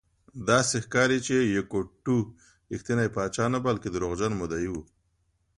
داسې ښکاري چې یوکیت ټو رښتینی پاچا نه بلکې دروغجن مدعي و.